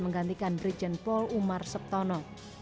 menggantikan brigjen paul umar septono